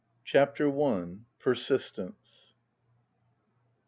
CHAPTER L PERSISTENCE.